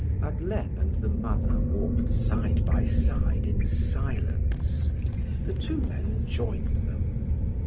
Madeleine and the mother walked side by side in silence; the two men joined them.